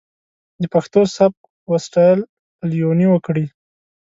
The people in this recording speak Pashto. د پښتو سبک و سټايل پليوني وکړي.